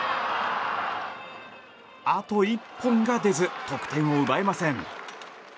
あと一本が出ず得点を奪えません。